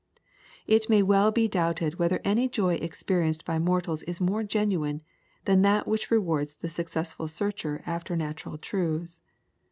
It may well be doubted whether any joy experienced by mortals is more genuine than that which rewards the successful searcher after natural truths.